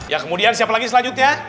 ya kemudian siapa lagi selanjutnya